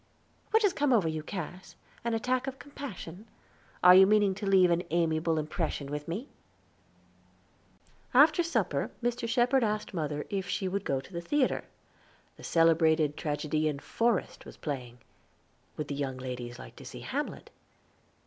"What has come over you, Cass? An attack of compassion? Are you meaning to leave an amiable impression with me?" After supper Mr. Shepherd asked mother if she would go to the theater. The celebrated tragedian, Forrest, was playing; would the young ladies like to see Hamlet?